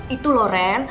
itu loh ren